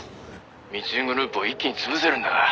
密輸グループを一気に潰せるんだが。